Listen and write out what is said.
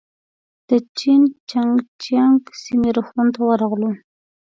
د جين چنګ جيانګ سیمې روغتون ته ورغلو.